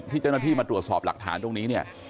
ที่เจ้าหน้าที่มาตรวจสอบหลักฐานตรงนี้